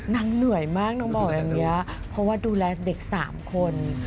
เหนื่อยมากนางบอกอย่างนี้เพราะว่าดูแลเด็ก๓คน